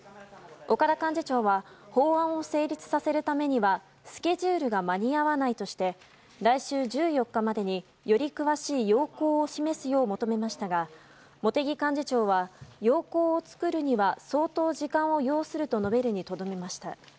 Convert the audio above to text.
岡田幹事長は法案を成立させるためにはスケジュールが間に合わないとして来週１４日までにより詳しい要綱を示すよう求めましたが、茂木幹事長は要綱を作るには相当時間を要すると述べるにとどめました。